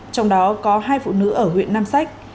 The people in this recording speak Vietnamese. trong đó có hai phụ nữ ở huyện nam sách